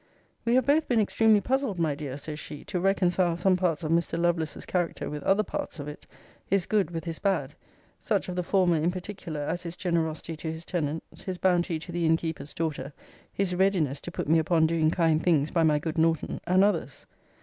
] We have both been extremely puzzled, my dear, says she, to reconcile some parts of Mr. Lovelace's character with other parts of it: his good with his bad; such of the former, in particular, as his generosity to his tenants; his bounty to the innkeeper's daughter; his readiness to put me upon doing kind things by my good Norton, and others.